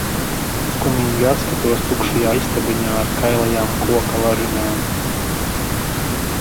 Skumīgi atskatos tukšajā istabiņā ar kailajām koka lažiņām.